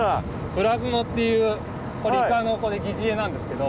プラヅノっていうこれイカの疑似餌なんですけど。